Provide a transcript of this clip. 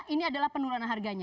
ini adalah penurunan harganya